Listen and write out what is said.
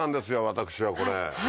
私はこれ。